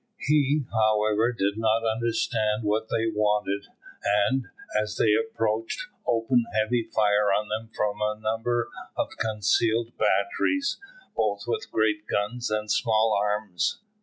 He, however, did not understand what they wanted, and, as they approached, opened a heavy fire on them from a number of concealed batteries, both with great guns and small arms.